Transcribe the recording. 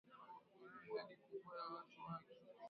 Kutokana na idadi kubwa ya watu wake